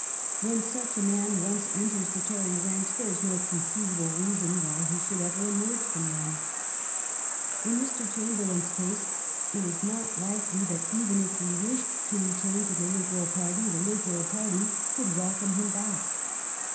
When such a man once enters the Tory ranks there is no conceivable reason why he should ever emerge from them. In Mr. Chamberlain's case it is not likely that, even if he wished to return to the Liberal party, the Liberal party could welcome him back.